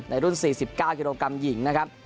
รุ่น๔๙กิโลกรัมหญิงนะครับ